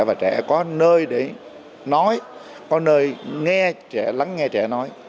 và trẻ có nơi để nói có nơi nghe trẻ lắng nghe trẻ nói